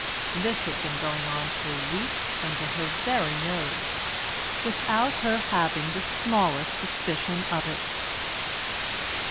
This had been going on for weeks under her very nose, without her having the smallest suspicion of it.